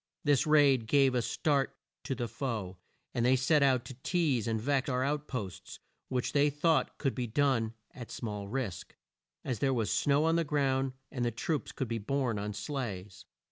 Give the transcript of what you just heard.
This raid gave a start to the foe and they set out to tease and vex our out posts, which they thought could be done at small risk, as there was snow on the ground, and the troops could be borne on sleighs.